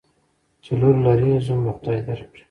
چی لور لرې ، زوم به خدای در کړي.